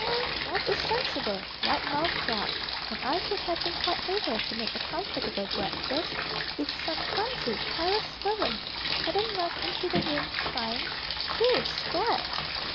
It was a sensible, wide mouthed jug, and I should have been quite able to make a comfortable breakfast, if some clumsy, careless servant hadn't rushed into the room, crying "Shoo! scat!"